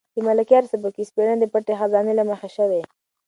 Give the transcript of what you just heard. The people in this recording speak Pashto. د ملکیار سبکي سپړنه د پټې خزانې له مخې شوې.